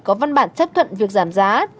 có văn bản chấp thuận việc giảm giá